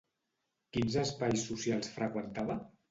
Quins espais socials freqüentava?